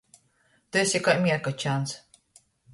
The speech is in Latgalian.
Tu esi kai mierkačāns.